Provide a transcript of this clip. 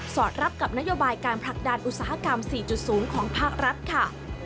อดรับกับนโยบายการผลักดันอุตสาหกรรม๔๐ของภาครัฐค่ะ